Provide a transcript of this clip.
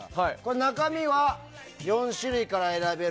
中身は４種類から選べる。